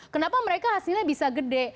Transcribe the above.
kenapa mereka hasilnya bisa gede